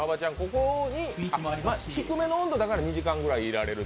ここに、効き湯の温度だから２時間ぐらいいられる？